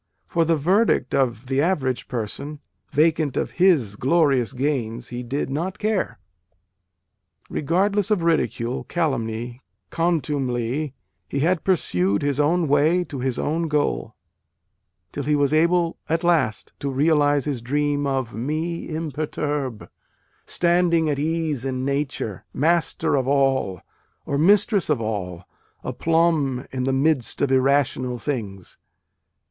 For the verdict of the average person, vacant of his glorious gains, he did not care. Regardless of ridicule, calumny, contumely, he had pursued his own way to his own goal : till he was able at last to realize his dream of Me imperturbe, standing at ease in Nature, Master of all, or mistress of all aplomb in the midst of irrational things.